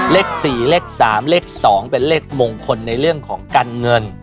เลข๔เลข๓เลข๒เป็นเลขมงคลในเรื่องของการเงิน